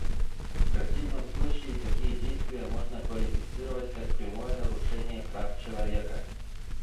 В противном случае, такие действия можно квалифицировать как прямое нарушение прав человека.